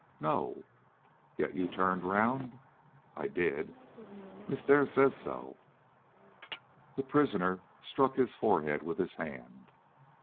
"No." "Yet you turned round?" "I did?" "Miss Dare says so." The prisoner struck his forehead with his hand.